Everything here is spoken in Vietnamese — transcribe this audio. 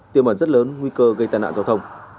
tiềm ẩn rất lớn nguy cơ gây tàn nạn giao thông